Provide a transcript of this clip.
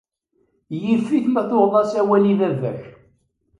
Yif-it ma tuɣeḍ-as awal i baba-k.